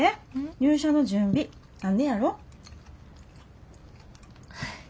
入社の準備あんねやろ？